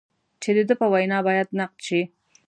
چې د ده په وینا باید نقد شي.